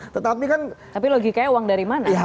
tapi logikanya uang dari mana